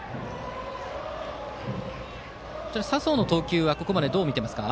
佐宗の投球はここまでどう見ていますか？